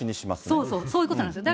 そうそう、そういうことなんですよ。